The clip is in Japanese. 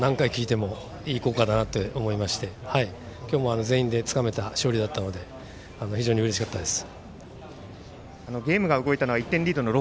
いつも何回、聴いてもいい校歌だなと思いまして今日も全員でつかめた勝利だったので非常にうれしかったです。